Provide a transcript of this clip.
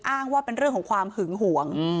อ้างว่าเป็นเรื่องของความหึงห่วง